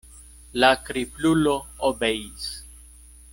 La kriplulo obeis.